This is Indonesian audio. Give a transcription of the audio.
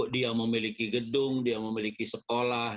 dia memiliki gedung dia memiliki sekolah